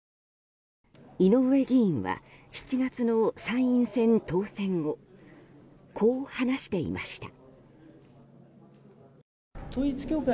井上議員は７月の参院選当選後こう話していました。